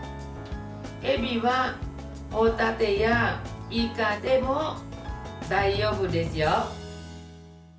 えびはホタテやイカでも大丈夫ですよ。